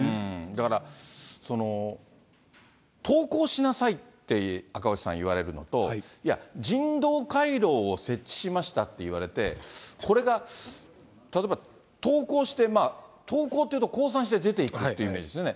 だから、投降しなさいって赤星さん、言われるのと、いや、人道回廊を設置しましたって言われて、これが例えば、投降して、投降っていうと、降参して出ていくという意味ですよね。